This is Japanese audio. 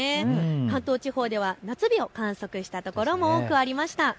関東地方では夏日を観測した所も多くありました。